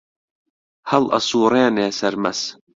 هەڵ ئەسووڕێنێ سەرمەس